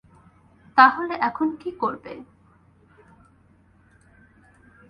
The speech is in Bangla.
তাহলে এখন কি করবে?